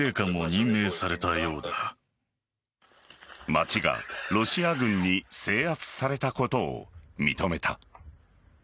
街がロシア軍に制圧されたことを認めた。